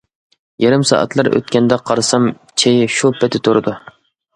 يېرىم سائەتلەر ئۆتكەندە قارىسام چېيى شۇ پېتى تۇرىدۇ.